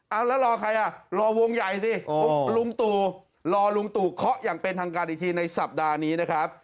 แล้วรอใครรอวงใหญ่สิรุงตู่เคาะอย่างเป็นทางการอีกทีในสัปดาห์นี้นะครับ